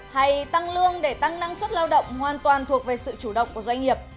hay tăng lương để tăng năng suất lao động hoàn toàn thuộc về sự chủ động của doanh nghiệp